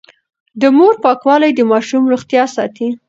د مور پاکوالی د ماشوم روغتيا ساتي.